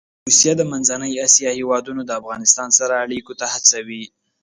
روسیه د منځنۍ اسیا هېوادونه د افغانستان سره اړيکو ته هڅوي.